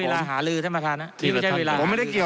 เวลาหาลือท่านประธานนะนี่ไม่ใช่เวลาผมไม่ได้เกี่ยว